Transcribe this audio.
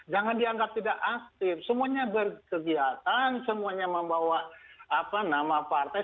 jangan dianggap tidak aktif semuanya berkegiatan semuanya membawa nama partai